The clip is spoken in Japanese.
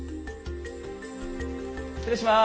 失礼します。